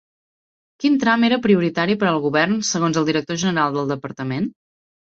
Quin tram era prioritari per al govern segons el director general del departament?